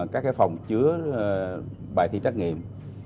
các phòng chứa bài thi trắc nghiệm